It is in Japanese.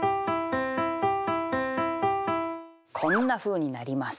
こんなふうになります。